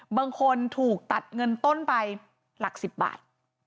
บางคนถูกตัดเงินต้นไปหลัก๑๐บาท